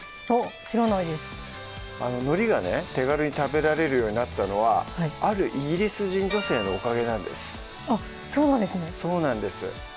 知らないですのりがね手軽に食べられるようになったのはあるイギリス人女性のおかげなんですあっそうなんですねそうなんです